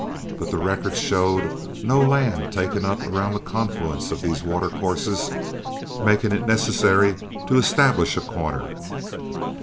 But the records showed no land taken up around the confluence of these watercourses, making it necessary to establish a corner.